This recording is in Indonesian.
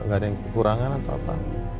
nggak ada yang kekurangan atau apa